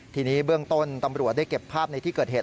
ทีนี้เบื้องต้นตำรวจได้เก็บภาพในที่เกิดเหตุ